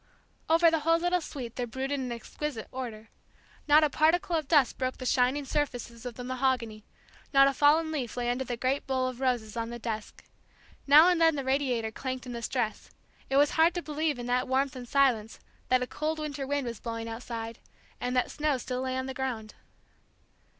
Over the whole little suite there brooded an exquisite order. Not a particle of dust broke the shining surfaces of the mahogany, not a fallen leaf lay under the great bowl of roses on the desk. Now and then the radiator clanked in the stress; it was hard to believe in that warmth and silence that a cold winter wind was blowing outside, and that snow still lay on the ground.